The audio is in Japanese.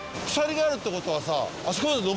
鎖があるってことはさあ